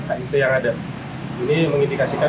kip yang ada ini mengindikasikan